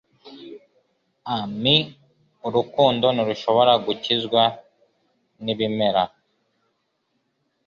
Ah me! urukundo ntirushobora gukizwa n'ibimera. ”